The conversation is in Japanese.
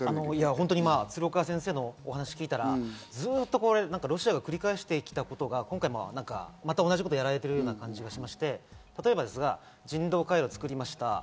本当に鶴岡先生のお話を聞いたらずっと、これロシアが繰り返してきたことが今回も、また同じことをやられてる感じがしまして、例えばですが人道回廊を作りました。